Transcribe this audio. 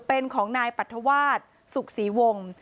เป็นของนายปรัฐวาสสุขศรีวงศ์